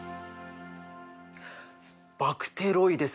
バクテロイデス？